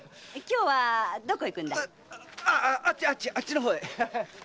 今日はどこ行くんだい？